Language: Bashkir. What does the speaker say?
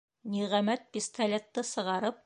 Ниғәмәт пистолетты сығарып.